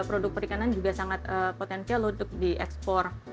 produk perikanan juga sangat potensial untuk diekspor